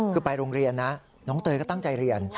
คือไปโรงเรียนนะน้องเตยก็ตั้งใจเรียน